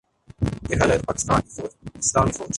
دیکھا جائے تو پاکستان کی فوج اسلامی فوج